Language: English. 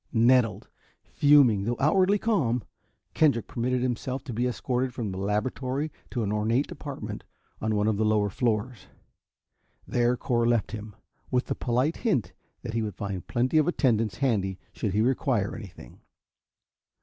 Nettled, fuming, though outwardly calm, Kendrick permitted himself to be escorted from the laboratory to an ornate apartment on one of the lower floors. There Cor left him, with the polite hint that he would find plenty of attendants handy should he require anything.